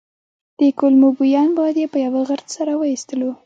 د کولمو بوین باد یې په یوه غرت سره وايستلو.